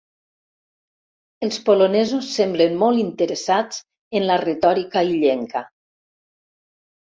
Els polonesos semblen molt interessats en la retòrica illenca.